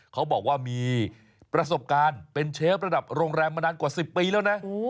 เขาบอกว่ามีประสบการณ์เป็นเชฟระดับโรงแรมมานานกว่า๑๐ปีแล้วนะ